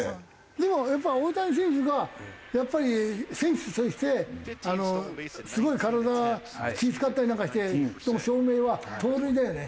でもやっぱり大谷選手がやっぱり選手としてすごい体気ぃ使ったりなんかしての証明は盗塁だよね。